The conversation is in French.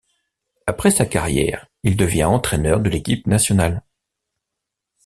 Après sa carrière, il devient entraineur de l'équipe nationale.